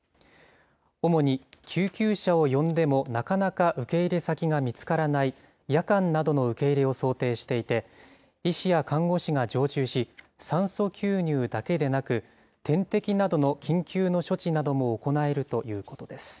主に救急車を呼んでも、なかなか受け入れ先が見つからない夜間などの受け入れを想定していて、医師や看護師が常駐し、酸素吸入だけでなく、点滴などの緊急の処置なども行えるということです。